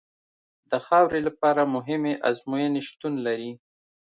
د خاورې لپاره مهمې ازموینې شتون لري